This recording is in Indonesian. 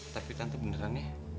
tapi tante beneran ya